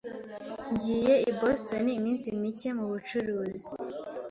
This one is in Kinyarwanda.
Ngiye i Boston iminsi mike mubucuruzi.